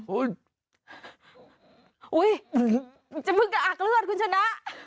ก็จะพึ่งจากอากเลือดคุณชนะ